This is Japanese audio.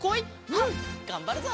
うんがんばるぞ！